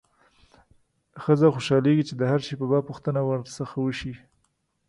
ښځه خوشاله کېږي چې د هر شي په باب پوښتنه ورڅخه وشي.